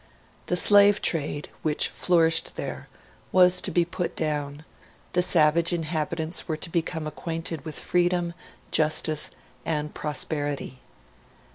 The slave trade, which flourished there, was to be put down; the savage inhabitants were to become acquainted with freedom, justice, and prosperity.